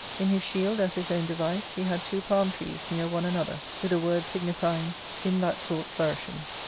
In his shield, as his own device, he had two palm trees near one another, with a word signifying, " In that sort flourishing."